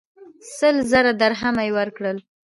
سل زره درهمه یې ورکړل.